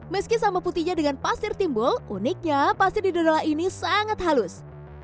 meski sama putihnya dengan pasir timbul uniknya pasir di dodola ini sangat halus